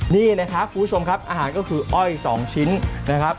นี่นะครับคุณผู้ชมครับอาหารก็คืออ้อย๒ชิ้นนะครับ